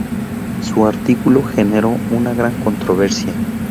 Su artículo generó una gran controversia.